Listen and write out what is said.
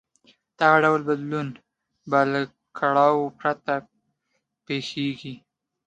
دغه ډول بدلون به له کړاو پرته پېښېږي.